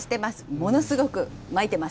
ものすごくまいてます。